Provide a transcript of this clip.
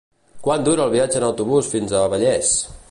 Quant dura el viatge en autobús fins a Vallés?